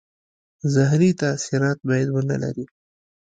زهري تاثیرات باید ونه لري.